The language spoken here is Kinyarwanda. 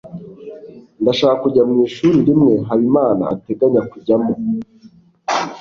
ndashaka kujya mwishuri rimwe habimana ateganya kujyamo